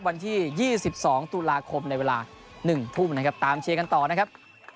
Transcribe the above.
วันที่๒๒ตุลาคมในเวลา๑ทุ่มนะครับตามเชียร์กันต่อนะครับ